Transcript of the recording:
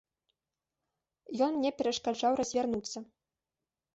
Ён мне перашкаджаў развярнуцца.